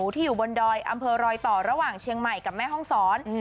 ที่อยู่บนดอยอำเภอรอยต่อระหว่างเชียงใหม่กับแม่ห้องศร